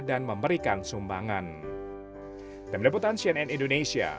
dan memberikan sumbangan